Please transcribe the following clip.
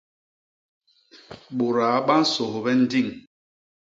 Bôdaa ba nsôbhe ndiñ.